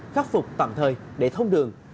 khắc phục tạm thời để thông đường